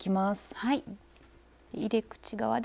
はい。